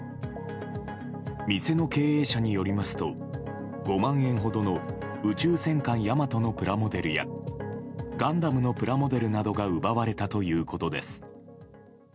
店の経営者によりますと５万円ほどの「宇宙戦艦ヤマト」のプラモデルや「ガンダム」のプラモデルなどが奪われたということです。